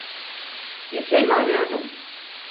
Bir şey mi arıyordun?